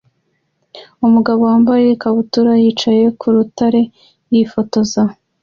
Umugabo wambaye ikabutura yicaye ku rutare yifotoza